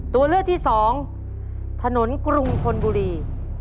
ตัวเลือกที่สองถนนกรุงธนบุรี